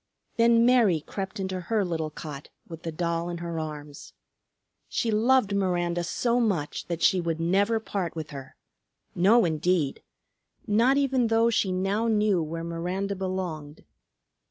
Then Mary crept into her little cot with the doll in her arms. She loved Miranda so much that she would never part with her, no indeed; not even though she now knew where Miranda belonged.